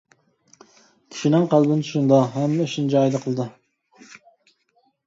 كىشىنىڭ قەلبىنى چۈشىنىدۇ، ھەممە ئىشنى جايىدا قىلىدۇ.